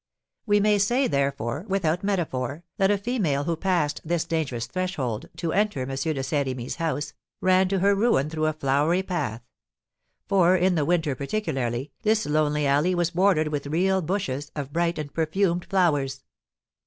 We may say, therefore, without metaphor, that a female who passed this dangerous threshold, to enter M. de Saint Remy's house, ran to her ruin through a flowery path; for, in the winter particularly, this lonely alley was bordered with real bushes of bright and perfumed flowers.